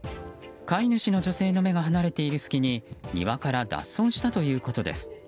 飼い主の女性の目が離れている隙に庭から脱走したということです。